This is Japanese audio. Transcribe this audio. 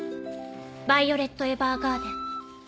「ヴァイオレット・エヴァーガーデン」。